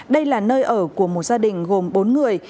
đây là nơi ở của một gia đình gồm bốn người